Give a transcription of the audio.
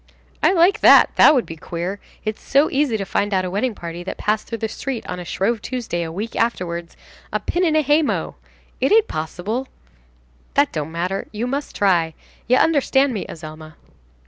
"I like that! that would be queer. It's so easy to find out a wedding party that passed through the street on a Shrove Tuesday, a week afterwards. A pin in a hay mow! It ain't possible!" "That don't matter. You must try. You understand me, Azelma."